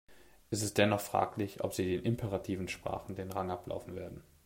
Es ist dennoch fraglich, ob sie den imperativen Sprachen den Rang ablaufen werden.